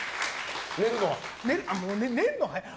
寝るのは早い。